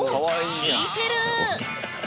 聞いてる！